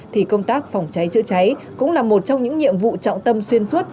thì công tác phòng cháy chữa cháy cũng là một trong những nhiệm vụ trọng tâm xuyên suốt